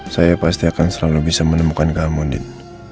saya pasti akan selalu bisa menemukan kamu andin